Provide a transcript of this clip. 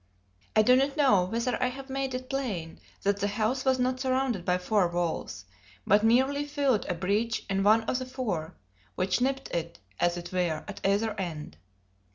I do not know whether I have made it plain that the house was not surrounded by four walls, but merely filled a breach in one of the four, which nipped it (as it were) at either end.